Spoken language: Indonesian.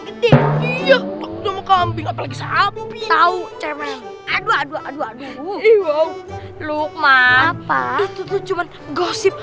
gede iya sama kambing apalagi sapi tahu cermen aduh aduh aduh aduh iwo lukman apa itu cuman gosip